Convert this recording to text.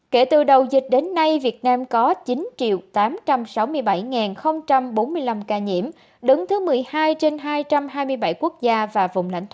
kể từ đầu dịch đến nay việt nam có chín tám trăm sáu mươi bảy bốn mươi năm ca nhiễm đứng thứ một mươi hai trên hai trăm hai mươi bảy quốc gia và vùng lãnh thổ